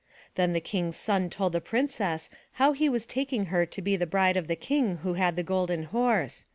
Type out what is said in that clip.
Then the King's son told the Princess how he was taking her to be the bride of the King who had the Golden Horse.